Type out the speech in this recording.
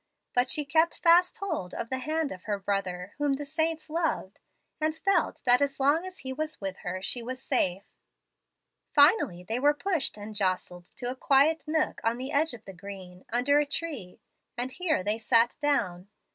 But she kept fast hold of the hand of her brother whom the saints loved, and felt that as long as he was with her she was safe. Finally they were pushed and jostled to a quiet nook on the edge of the green, under a tree, and here they sat down.